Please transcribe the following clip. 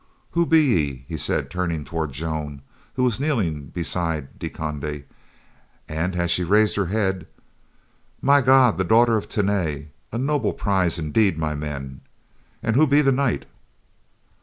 "Who be ye?" he said, turning toward Joan who was kneeling beside De Conde, and as she raised her head, "My God! The daughter of De Tany! a noble prize indeed my men. And who be the knight?"